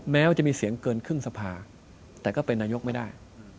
แม้จะมีเสียงเกินครึ่งสภาแต่ก็เป็นนายกไม่ได้